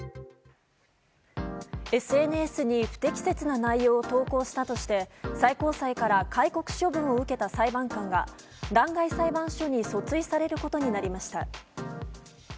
ＳＮＳに不適切な内容を投稿したとして最高裁から戒告処分を受けた裁判官が弾劾裁判所に訴追されることになりました。